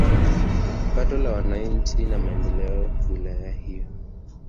Pato la wananchi na maendeleo wilaya hiyo